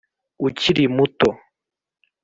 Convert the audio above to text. ukiri muto